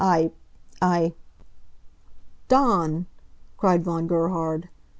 I I " "Dawn!" cried Von Gerhard.